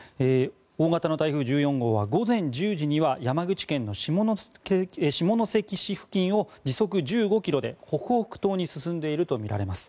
大型の台風１４号は午前１０時には山口県の下関市付近を時速１５ｋｍで北北東に進んでいるとみられます。